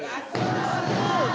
そうだ！